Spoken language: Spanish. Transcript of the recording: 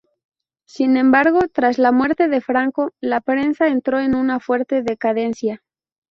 Sin embargo, tras la muerte de Franco, "La Prensa" entró en una fuerte decadencia.